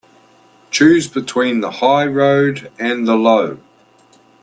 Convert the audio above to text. Choose between the high road and the low.